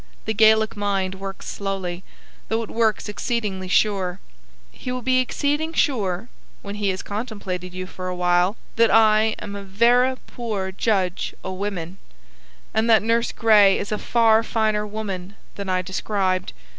The Gaelic mind works slowly, though it works exceeding sure. He will be exceeding sure, when he has contemplated you for a while, that I am a 'verra poor judge o' women,' and that Nurse Gray is a far finer woman than I described.